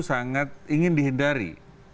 sangat ingin dihindari